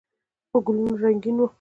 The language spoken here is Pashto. په ګلونو رنګین و.